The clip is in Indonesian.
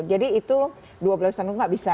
jadi itu dua belas tahun itu nggak bisa